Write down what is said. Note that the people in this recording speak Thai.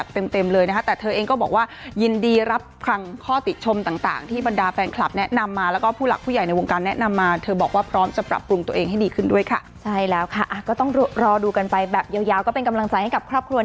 ส่งใจให้กับครอบครัวนี้กันด้วยนะคะ